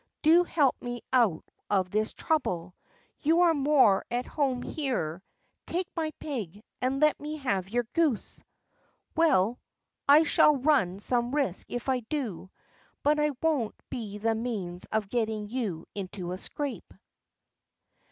"Do help me out of this trouble. You are more at home here; take my pig, and let me have your goose." "Well, I shall run some risk if I do, but I won't be the means of getting you into a scrape."